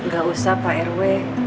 gak usah pak rw